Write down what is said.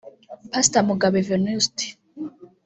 Pastor Mugabo Venuste